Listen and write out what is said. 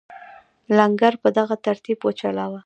لنګر په دغه ترتیب وچلاوه.